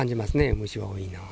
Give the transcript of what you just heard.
虫が多いのは。